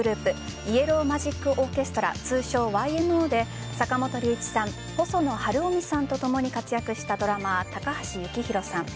イエロー・マジック・オーケストラ通称・ＹＭＯで坂本龍一さん細野晴臣さんとともに活躍したドラマー高橋幸宏さん。